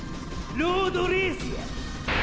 ロードレースや！